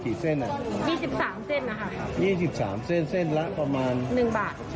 เส้นอ่ะยี่สิบสามเส้นนะคะยี่สิบสามเส้นเส้นละประมาณหนึ่งบาท